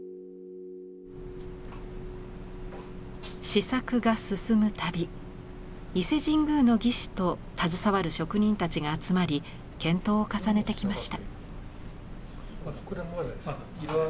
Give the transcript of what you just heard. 試作が進むたび伊勢神宮の技師と携わる職人たちが集まり検討を重ねてきました。